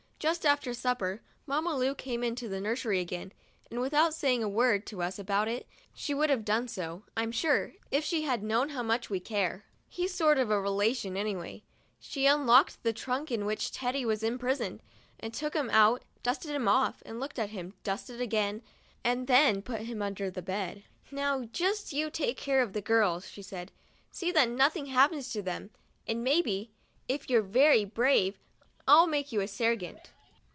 Just after supper Mamma Lu came into the nursery again, and without saying a word to us about it — she would have done so, I'm sure, if she had known how much 49 THE DIARY OF A BIRTHDAY DOLL we care ; he's a sort of a relation anyway — she unlocked the trunk in which Teddy was imprisoned, took him out, dusted him off, looked at him, dusted him again, and then put him under the bed. 'Now just you take care of the girls," she said; "see that nothing happens to them, and maybe, if you're very brave, I'll make you a sergeant."